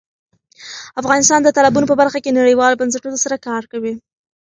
افغانستان د تالابونه په برخه کې نړیوالو بنسټونو سره کار کوي.